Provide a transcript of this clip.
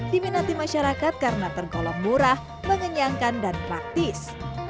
diminati masyarakat karena tergolong murah mengenyangkan dan praktis